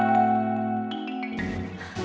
gara gara temen lu